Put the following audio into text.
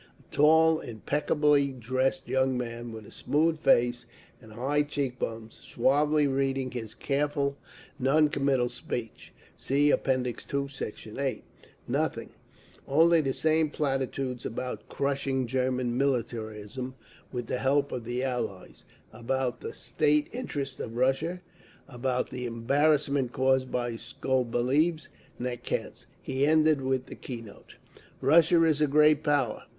A tall, impeccably dressed young man with a smooth face and high cheek bones, suavely reading his careful, non committal speech. (See App. II, Sect. 8) Nothing…. Only the same platitudes about crushing German militarism with the help of the Allies—about the "state interests" of Russia, about the "embarrassment" caused by Skobeliev's nakaz. He ended with the key note: "Russia is a great power.